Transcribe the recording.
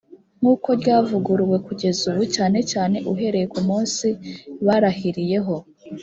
nk uko ryavuguruwe kugeza ubu cyane cyane uhereye ku munsi barahiriyeho